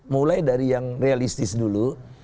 mulai dari yang realistis dulu